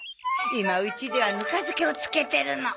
今ウチではぬか漬けを漬けてるの。